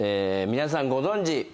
皆さんご存じ